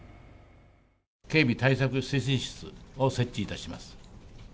警備対策推進室を設置いたします。